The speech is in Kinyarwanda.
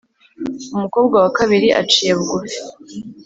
Umukobwa wa kabiri aciye bugufi.